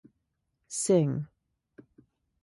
Singh.